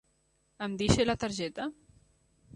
Em deixa la targeta??